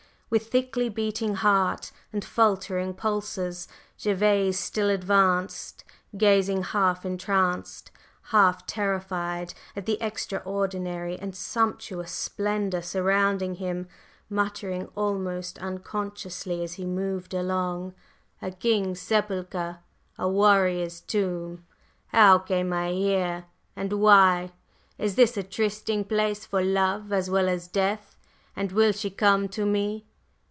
With thickly beating heart and faltering pulses Gervase still advanced, gazing half entranced, half terrified at the extraordinary and sumptuous splendor surrounding him, muttering almost unconsciously as he moved along: "A king's sepulchre, a warrior's tomb! How came I here? and why? Is this a trysting place for love as well as death? and will she come to me?